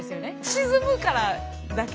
沈むからだけで。